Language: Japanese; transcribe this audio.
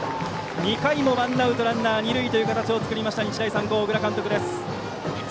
２回もワンアウトランナー、二塁という形を作った日大三高、小倉監督です。